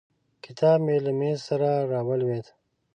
کتاب مې له مېز راولوېد.